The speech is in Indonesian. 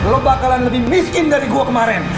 lo bakalan lebih miskin dari gua kemarin